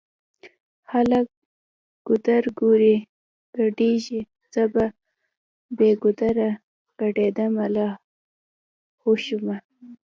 خلکه ګودرګوري ګډيږی زه بې ګودره ګډيدمه لا هو شومه